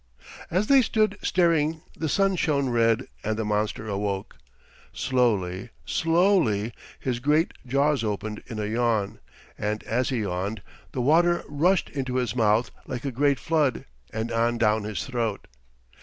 As they stood staring the sun shone red and the monster awoke. Slowly, slowly his great jaws opened in a yawn, and as he yawned the water rushed into his mouth like a great flood and on down his throat.